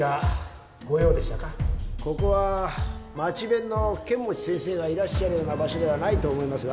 ここは町弁の剣持先生がいらっしゃるような場所ではないと思いますが。